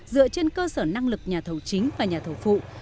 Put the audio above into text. dựa trên cơ sở năng lực nhà thầu chính và nhà thầu phụ